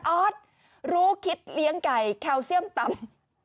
ออสรู้คิดเลี้ยงไก่แคลเซียมต่ำ